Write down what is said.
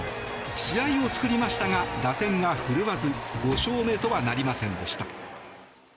試合を作りましたが打線は振るわず５勝目とはなりませんでした。